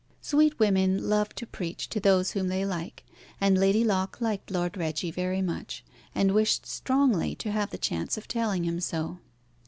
Sweet women love to preach to those whom they like, and Lady Locke liked Lord Reggie very much, and wished strongly to have the chance of telling him so.